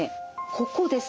ここです。